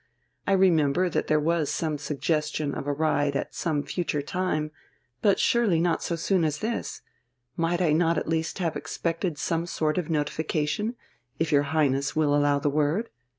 I remember that there was some suggestion of a ride at some future time but surely not so soon as this? Might I not at least have expected some sort of notification, if your Highness will allow the word?